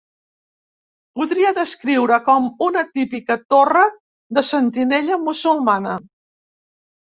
Podria descriure com una típica Torre de sentinella musulmana.